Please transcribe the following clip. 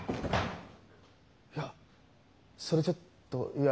いやそれちょっといや